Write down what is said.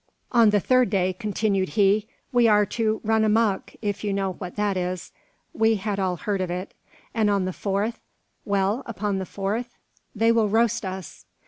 "On the third day," continued he, "we are to `run amuck,' if you know what that is." We had all heard of it. "And on the fourth " "Well? upon the fourth?" "They will roast us!"